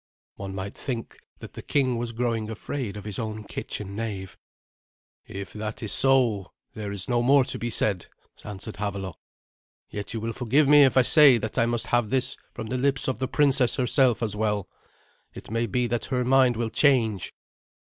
One might think that the king was growing afraid of his own kitchen knave. "If that is so, there is no more to be said," answered Havelok. "Yet you will forgive me if I say that I must have this from the lips of the princess herself as well. It may be that her mind will change."